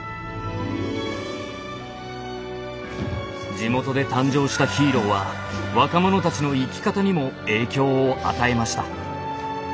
地元で誕生したヒーローは若者たちの生き方にも影響を与えました。